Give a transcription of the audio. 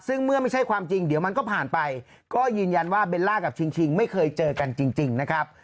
ซึ่งเมื่อไม่ใช่ความจริงเดี๋ยวมันก็ผ่านไปก็ยืนยันว่าเบลล่ากับชิงไม่เคยเจอกันจริงนะครับ